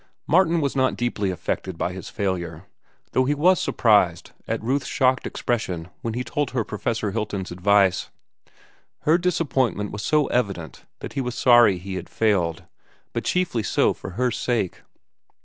Martin was not deeply affected by his failure, though he was surprised at Ruth's shocked expression when he told her Professor Hilton's advice. Her disappointment was so evident that he was sorry he had failed, but chiefly so for her sake.